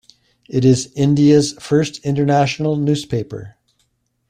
It is India's first international newspaper.